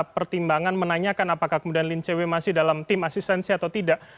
pertimbangan menanyakan apakah kemudian lin cw masih dalam tim asistensi atau tidak